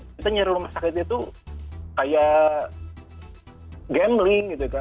kita nyari rumah sakit itu kayak gambling gitu kan